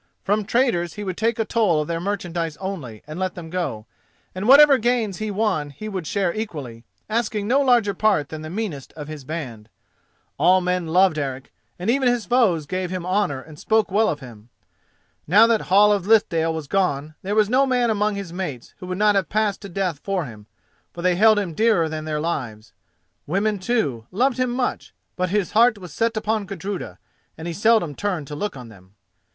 From traders he would take a toll of their merchandise only and let them go, and whatever gains he won he would share equally, asking no larger part than the meanest of his band. All men loved Eric, and even his foes gave him honour and spoke well of him. Now that Hall of Lithdale was gone, there was no man among his mates who would not have passed to death for him, for they held him dearer than their lives. Women, too, loved him much; but his heart was set upon Gudruda, and he seldom turned to look on them.